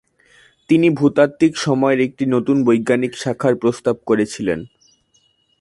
তিনি ভূতাত্ত্বিক সময়ের একটি নতুন বৈজ্ঞানিক শাখার প্রস্তাব করেছিলেন।